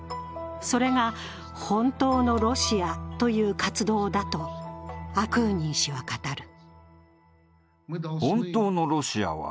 それが「本当のロシア」という活動だとアクーニン氏は語る。